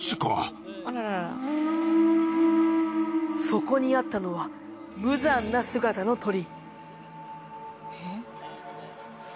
そこにあったのは無残な姿の鳥。